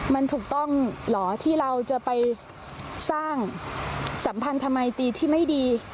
มันถูกต้องเหรอที่เราจะไปสร้างสัมพันธมัยตีที่ไม่ดี